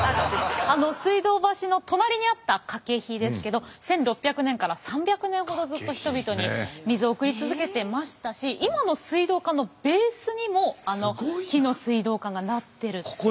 水道橋の隣にあった掛ですけど１６００年から３００年ほどずっと人々に水を送り続けてましたし今の水道管のベースにもあの木の水道管がなってるって。